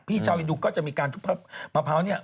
ชาวอินดูก็จะมีการทุบมะพร้าวเนี่ย